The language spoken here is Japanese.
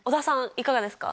いかがですか？